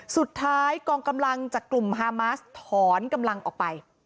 กองกำลังจากกลุ่มฮามาสถอนกำลังออกไป